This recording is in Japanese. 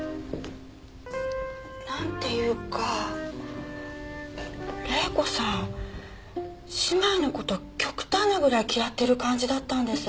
何ていうか玲子さん姉妹のこと極端なぐらい嫌ってる感じだったんです。